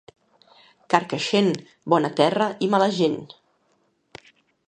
Carcaixent, bona terra i mala gent.